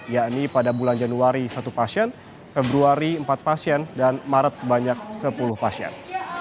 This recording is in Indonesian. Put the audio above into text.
yakni pada bulan januari satu pasien februari empat pasien dan maret sebanyak sepuluh pasien